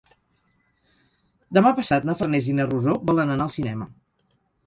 Demà passat na Farners i na Rosó volen anar al cinema.